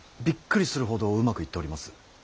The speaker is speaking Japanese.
びっくりするほどうまくいっております。